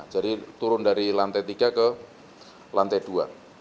jadi turun dari lantai tiga ke lantai dua